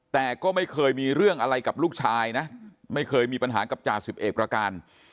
แต่ก็ไม่เคยมีเรื่องอะไรกับลูกชายนะไม่เคยมีปัญหากับจ่าสิบเอกประการ